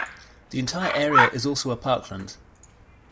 The entire area is also a parkland.